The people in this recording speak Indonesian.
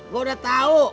gue udah tau